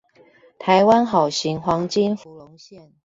台灣好行黃金福隆線